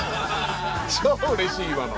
超うれしい今の。